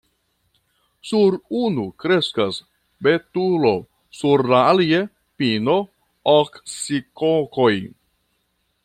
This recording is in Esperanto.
Sur unu kreskas betulo, sur la alia – pino, oksikokoj.